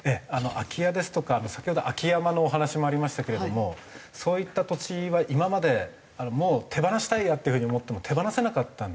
空き家ですとか先ほど空き山のお話もありましたけれどもそういった土地は今までもう手放したいやっていう風に思っても手放せなかったんですね。